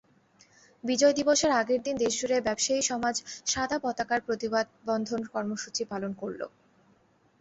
বিজয় দিবসের আগের দিন দেশজুড়ে ব্যবসায়ী সমাজ সাদা পতাকার প্রতিবাদবন্ধন কর্মসূচি পালন করল।